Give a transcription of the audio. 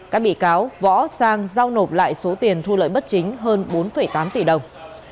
các bị cáo võ sang giao nộp lại số tiền thu lợi bất chính hơn bốn tám tỷ đồng